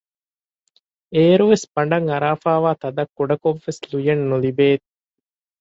އޭރުވެސް ބަނޑަށް އަރާފައިވާ ތަދަށް ކުޑަކޮށްވެސް ލުޔެއް ނުލިބޭ